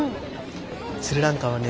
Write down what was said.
スリランカはね